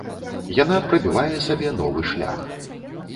Яна прабівае сабе новы шлях.